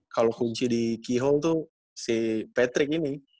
kalo kunci di keyhole tuh si patrick ini